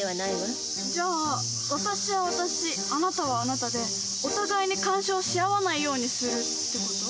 じゃあ私は私あなたはあなたでお互いに干渉し合わないようにするって事？